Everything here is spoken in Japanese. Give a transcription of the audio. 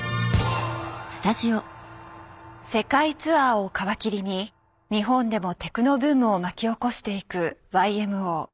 世界ツアーを皮切りに日本でもテクノブームを巻き起こしていくＹＭＯ。